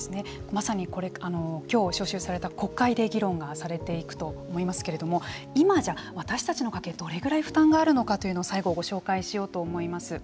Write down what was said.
まさにきょう召集された国会で議論がされていくと思いますけれども今、私たちの家計はどれぐらい負担があるのかということを最後、ご紹介しようと思います。